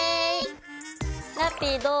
ラッピィどう？